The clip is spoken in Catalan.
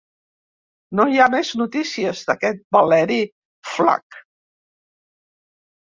No hi ha més notícies d'aquest Valeri Flac.